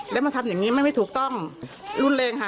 แล้วมันทำอย่างนี้ไม่ถูกต้องรุนแรงค่ะ